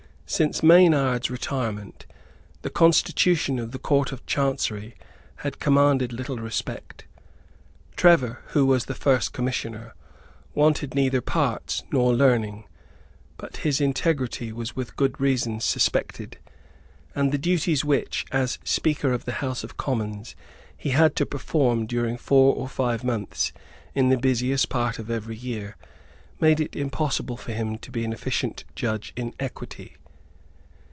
Since Maynard's retirement, the constitution of the Court of Chancery had commanded little respect. Trevor, who was the First Commissioner, wanted neither parts nor learning; but his integrity was with good reason suspected; and the duties which, as Speaker of the House of Commons, he had to perform during four or five months in the busiest part of every year, made it impossible for him to be an efficient judge in equity.